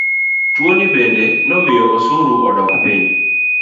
Tuoni bende nomiyo osuru odok piny.